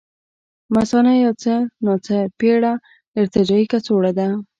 مثانه یو څه ناڅه پېړه ارتجاعي کڅوړه ده.